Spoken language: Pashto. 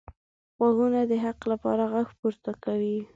غوږونه د حق لپاره غږ پورته کوي